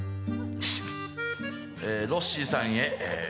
ロッシーさんへ。